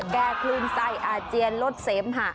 แก้คลื่นใสอาเจียนลดเซฟ